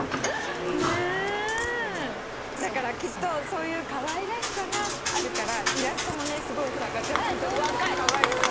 だからきっとそういうかわいらしさがあるからイラストもねすごいガチャピンとムックでカワイイ。